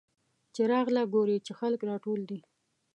چې راغله ګوري چې خلک راټول دي.